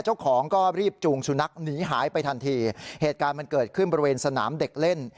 เจ้าของก็รีบจูงสุนัขหนีหายไปทันทีเหตุการณ์มันเกิดขึ้นบริเวณสนามเด็กเล่น